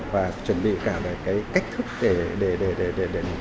và chuẩn bị cả về cách thức để làm